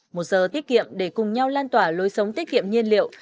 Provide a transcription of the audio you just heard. một giờ tiết kiệm để cùng nhau lan tỏa lối sống tiết kiệm nhiên liệu